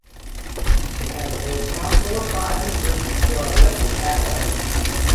It has a Village Council of five members, who are elected at-large.